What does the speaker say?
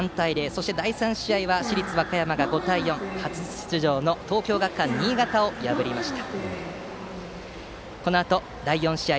そして、第３試合は市立和歌山が５対４で初出場の東京学館新潟を破りました。